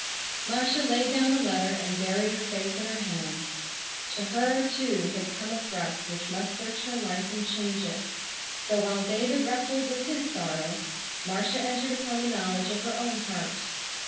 Marcia laid down the letter and buried her face in her hands. To her too had come a thrust which must search her life and change it. So while David wrestled with his sorrow Marcia entered upon the knowledge of her own heart.